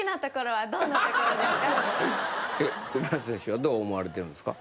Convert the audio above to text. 栗林選手はどう思われてるんすか？